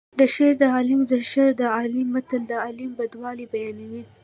شر د عالیم شر د عالیم متل د عالم بدوالی بیانوي